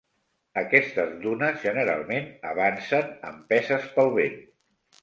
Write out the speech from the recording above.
Aquestes dunes generalment avancen, empeses pel vent.